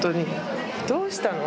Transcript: どうしたの？